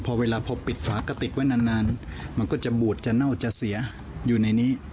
พอเวลาพอปิดฝากระติกไว้นานมันก็จะบูดจะเน่าจะเสียอยู่ในนี้